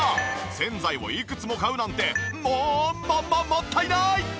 洗剤をいくつも買うなんてももももったいない！